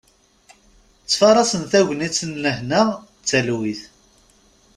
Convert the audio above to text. Ttfarasen tagnit n lehna d talwit.